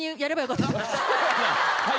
はい。